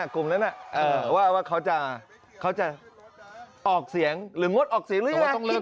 กลุ่มนั้นน่ะว่าเขาจะออกเสียงหรือมดออกเสียงหรืออย่างนั้น